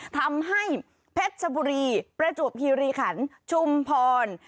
ทำให้เพชรชบุรีประจวบคีรีขันชุมพร